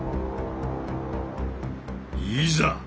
いざ！